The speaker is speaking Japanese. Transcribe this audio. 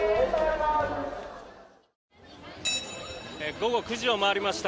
午後９時を回りました